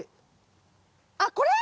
あっこれ？